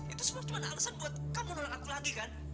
itu semua cuma alasan buat kamu nolak aku lagi kan